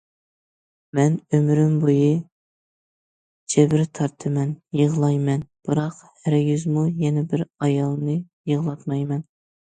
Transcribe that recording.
مەن ئۆمرۈم بويى جەبرى تارتىمەن، يىغلايمەن، بىراق ھەرگىزمۇ يەنە بىر ئايالنى يىغلاتمايمەن.